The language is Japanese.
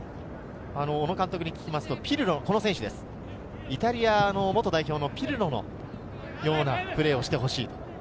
小野監督に聞くとピルロ、イタリアの元代表のピルノのようなプレーをしてほしい。